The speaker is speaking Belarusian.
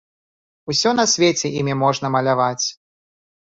Усё на свеце імі можна маляваць!